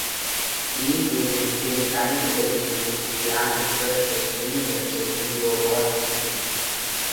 Jean Grey then telekinetically forces Lang to crash his mini-gunship into a wall-screen.